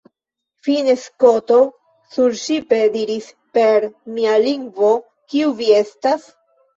Fine, Skoto surŝipe diris per mia lingvo, Kiu vi estas?